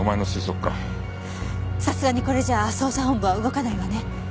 さすがにこれじゃあ捜査本部は動かないわね。